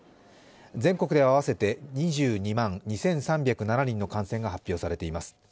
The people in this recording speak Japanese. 全国では合わせて２２万２３０７人の感染が発表されています。